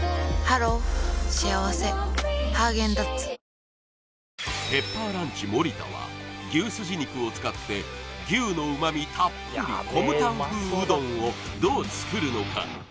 クリアアサヒイェーイペッパーランチ森田は牛すじ肉を使って牛の旨味たっぷりコムタン風うどんをどう作るのか？